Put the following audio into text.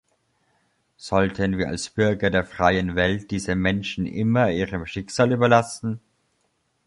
Sollten wir als Bürger der freien Welt diese Menschen immer ihrem Schicksal überlassen?